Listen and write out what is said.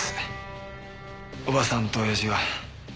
叔母さんと親父が。